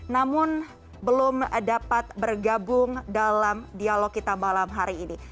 namun belum dapat bergabung dalam dialog kita malam hari ini